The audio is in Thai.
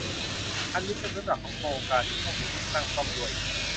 อันนี้เป็นเว็บหลักของโครงการ มีข้อมูลเลือกตั้งซ่อมด้วย